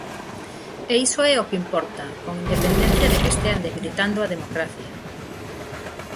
E iso é o que importa, con independencia de que estean debilitando a democracia.